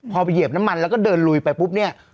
พอไปเหยียบน้ำมันแล้วก็เดินลุยไปปุ๊บเนี่ย